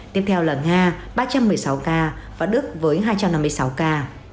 tiếp theo là nga ba trăm một mươi sáu ca và đức với hai trăm năm mươi sáu ca